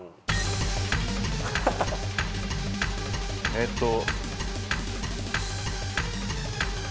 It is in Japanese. えーっと。